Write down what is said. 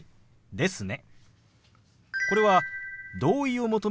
「ですね」。